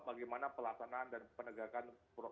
bagaimana pelaksanaan dan penegakan